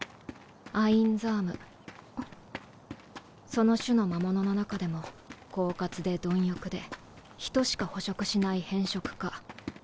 その種の魔物の中でも狡猾で貪欲で人しか捕食しない偏食家。